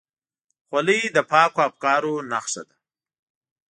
خولۍ د پاکو افکارو نښه ده.